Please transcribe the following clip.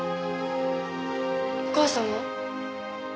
お母さんは？